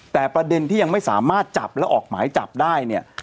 แต่ประเด็นที่ยังไม่สามารถจับและออกหมายจับได้เนี่ย